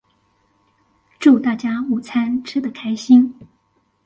祝大家午餐吃的開心